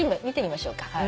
見てみましょうか。